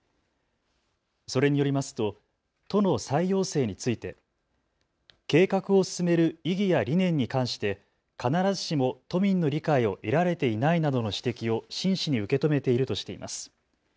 それによりますと都の再要請について計画を進める意義や理念に関して必ずしも都民の理解を得られていないなどの指摘を真摯に受け止めているとしています。